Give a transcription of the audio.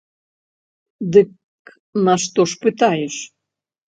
Дык нашто ж пытаеш?